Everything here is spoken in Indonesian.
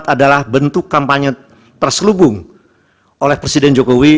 adalah bentuk kampanye terselubung oleh presiden jokowi